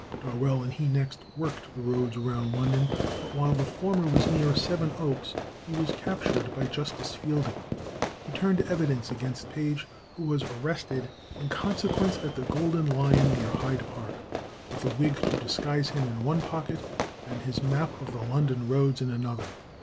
Darwell and he next "worked" the roads around London, but while the former was near Sevenoaks he was captured by Justice Fielding. He turned evidence against Page, who was arrested in consequence at the Golden Lion near Hyde Park, with a wig to disguise him in one pocket and his map of the London roads in another.